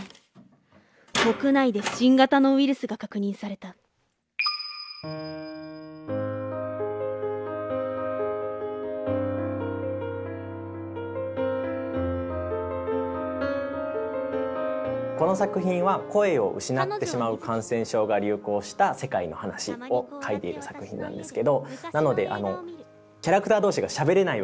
国内で新型のウイルスが確認されたこの作品は声を失ってしまう感染症が流行した世界の話を描いている作品なんですけどなのでキャラクター同士がしゃべれないわけです。